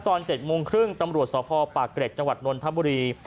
ตอน๗โมงครึ่งตำรวจสภปากเกร็จจนธบุรี